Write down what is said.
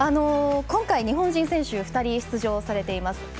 今回、日本人選手２人出場されています。